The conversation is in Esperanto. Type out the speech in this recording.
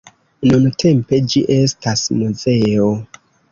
Nuntempe ĝi estas muzeo.